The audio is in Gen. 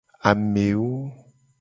Amewo.